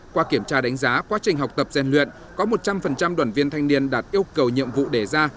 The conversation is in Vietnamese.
qua kiểm tra đánh giá quá trình học tập gian luyện có một trăm linh đoàn viên thanh niên đạt yêu cầu nhiệm vụ đề ra